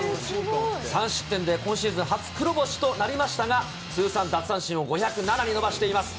３失点で今シーズン初黒星となりましたが、通算奪三振を５０７に伸ばしています。